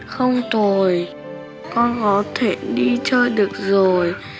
không tồi con có thể đi chơi được rồi